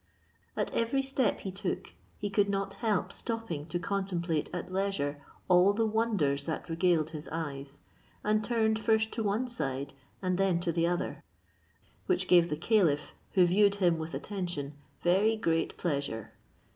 At every step he took, he could not help stopping to contemplate at leisure all the wonders that regaled his eyes, and turned first to one side, and then to the other; which gave the caliph, who viewed him with attention, very great pleasure.